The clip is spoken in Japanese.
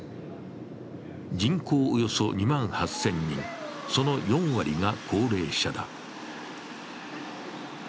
人口およそ２万８０００人、その４割が高齢者だ。